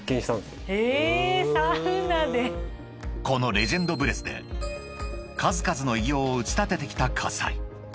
［このレジェンド・ブレスで数々の偉業を打ち立ててきた葛西］